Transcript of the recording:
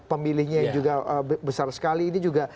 pemilihnya juga besar sekali ini juga